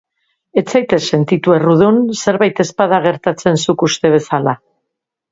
Ez zaitez sentitu errudun zerbait ez bada gertatzen zuk uste bezala.